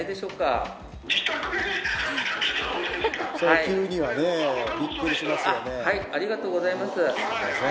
ありがとうございます。